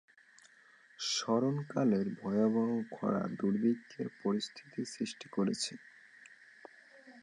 স্মরণকালের ভয়াবহ খরা দুর্ভিক্ষের পরিস্থিতি সৃষ্টি করেছে।